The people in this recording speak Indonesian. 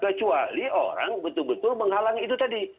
kecuali orang betul betul menghalangi itu tadi